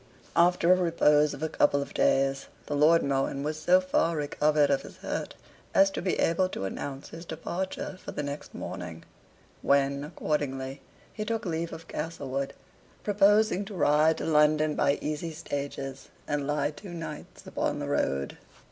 After a repose of a couple of days, the Lord Mohun was so far recovered of his hurt as to be able to announce his departure for the next morning; when, accordingly, he took leave of Castlewood, proposing to ride to London by easy stages, and lie two nights upon the road.